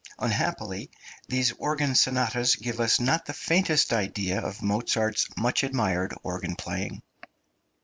Unhappily these organ sonatas give us not the faintest idea of Mozart's much admired organ playing.